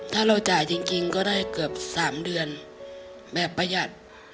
ถ้าเราจ่ายจริงก็ได้เกือบ๓เดือนแบบประหยัด